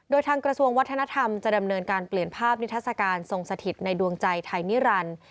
โดยทางกระทรวงวัฒนธรรมจะดำเนินการเปลี่ยนภาพนิทัศกาลทรงสถิตในดวงใจไทยนิรันดิ์